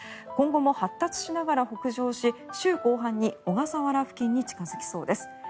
今後も発達しながら北上し週後半に小笠原付近に近付きそうです。